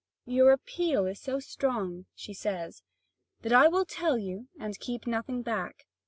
"Your appeal is so strong," she says, "that I will tell you and keep nothing back.